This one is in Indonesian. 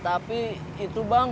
tapi itu bang